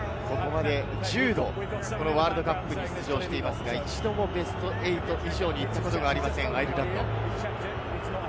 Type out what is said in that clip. １０度ワールドカップに出場していますが、一度もベスト８以上に勝ち進んだことがありません、アイルランド。